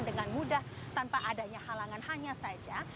dengan mudah tanpa adanya halangan hanya saja